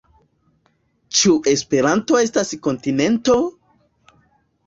Ĉu Esperanto estas kontinento?